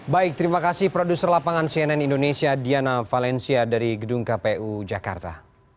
baik terima kasih produser lapangan cnn indonesia diana valencia dari gedung kpu jakarta